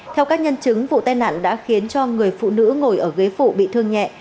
theo các nhân chứng vụ tai nạn đã khiến cho người phụ nữ ngồi ở ghế phụ bị thương nhẹ